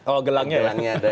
oh gelangnya ya